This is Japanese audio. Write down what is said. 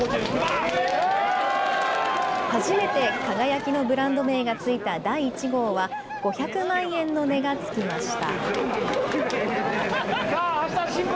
初めて輝のブランド名が付いた第１号は、５００万円の値がつきました。